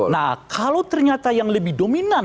nah kalau ternyata yang lebih dominan